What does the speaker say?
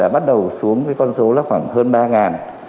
bắt đầu xuống con số hơn ba ngàn